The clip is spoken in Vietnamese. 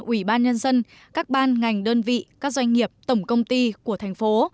ủy ban nhân dân các ban ngành đơn vị các doanh nghiệp tổng công ty của thành phố